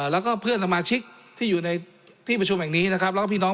แล้วก็เพื่อนสมาชิกที่อยู่ในที่ประชุมแห่งนี้นะครับแล้วก็พี่น้อง